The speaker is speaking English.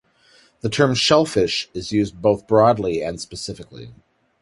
The term "shellfish" is used both broadly and specifically.